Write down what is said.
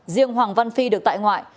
riêng hoàng văn phi được tại ngoại